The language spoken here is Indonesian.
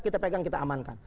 kita pegang kita amankan